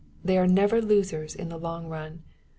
They are never losers in the long run.